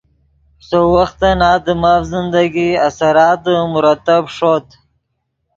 سؤ وختن آدمف زندگی اثراتے مرتب ݰوت